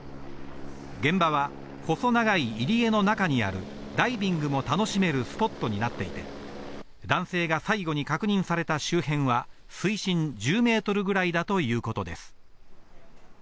現場は細長い入り江の中にあるダイビングも楽しめるスポットになっていて、男性が最後に確認された周辺は水深１０ｍぐらいだということです。